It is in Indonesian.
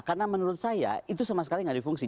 karena menurut saya itu sama sekali gak difungsi